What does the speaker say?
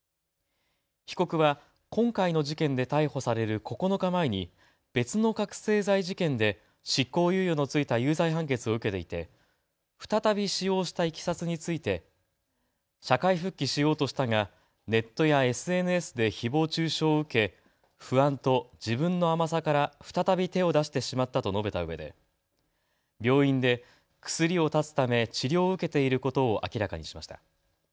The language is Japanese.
被告は今回の事件で逮捕される９日前に別の覚醒剤事件で執行猶予の付いた有罪判決を受けていて再び使用したいきさつについて社会復帰しようとしたがネットやＳＮＳでひぼう中傷を受け、不安と自分の甘さから再び手を出してしまったと述べたうえで病院で薬を絶つため治療を受けていることを明らかにしました。